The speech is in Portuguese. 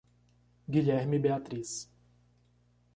Guilherme e Beatriz